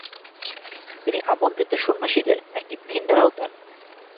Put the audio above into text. তিনি আমণ্ত্রিত সন্ন্যাসীদের একটি ভেন্ডারাও দেন।